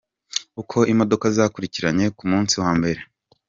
Uko imodoka zakurikiranye ku munsi wa mbere.